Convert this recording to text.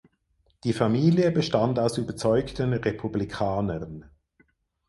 Die Familie bestand aus überzeugten Republikanern.